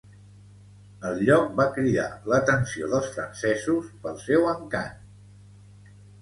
El lloc va cridar l'atenció dels francesos pel seu encant.